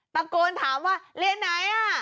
ตะโกนถามว่าเรียนไหน